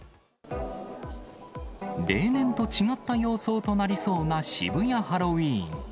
例年と違った様相となりそうな渋谷ハロウィーン。